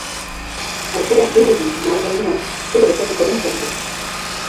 Aukera gehiegi mahai gainean zer gertatuko den jakiteko.